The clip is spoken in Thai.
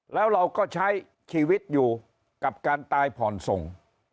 แล้วเราก็ใช้ชีวิตอยู่กับการตายผ่อนส่ง